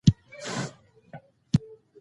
هیلې غوښتنې وړتیاوې همدا وو.